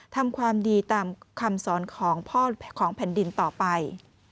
ทำความดีตามคำสอนของพ่อของแผ่นดินต่อไป